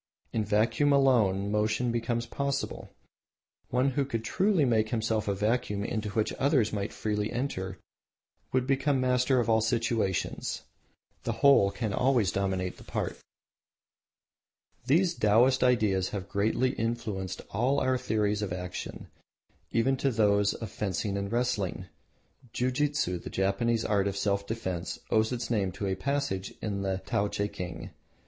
In vacuum alone motion becomes possible. One who could make of himself a vacuum into which others might freely enter would become master of all situations. The whole can always dominate the part. These Taoists' ideas have greatly influenced all our theories of action, even to those of fencing and wrestling. Jiu jitsu, the Japanese art of self defence, owes its name to a passage in the Tao teking.